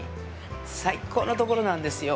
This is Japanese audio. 最高のところなんですよ。